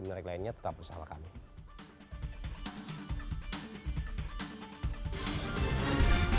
dari mereka lainnya tetap bersama kami